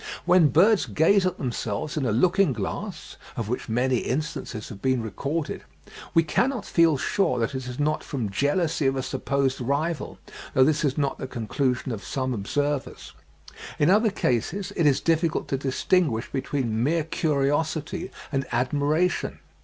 When birds gaze at themselves in a looking glass (of which many instances have been recorded) we cannot feel sure that it is not from jealousy of a supposed rival, though this is not the conclusion of some observers. In other cases it is difficult to distinguish between mere curiosity and admiration.